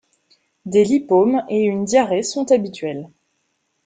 Des lipomes et une diarrhèe sont habituels.